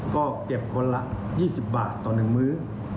ก็เก็บคนละ๒๐บาทต่อ๑มื้อ